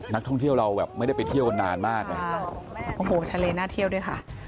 นักท่องเที่ยวเราแบบไม่ได้ไปเที่ยวกันนานมากโอ้โหทะเลน่าเที่ยวด้วยค่ะ